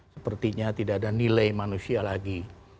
sepertinya tidak ada nilai manusia lagi